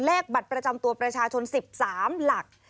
บัตรประจำตัวประชาชน๑๓หลัก